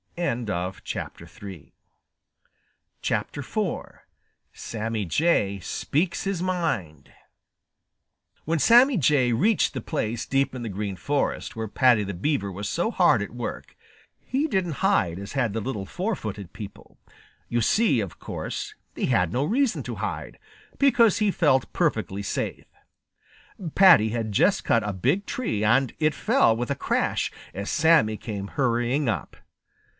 IV SAMMY JAY SPEAKS HIS MIND When Sammy Jay reached the place deep in the Green Forest where Paddy the Beaver was so hard at work, he didn't hide as had the little four footed people. You see, of course, he had no reason to hide, because he felt perfectly safe. Paddy had just cut a big tree, and it fell with a crash as Sammy came hurrying up.